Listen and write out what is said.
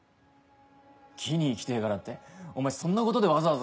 魏に行きてぇからってお前そんなことでわざわざ。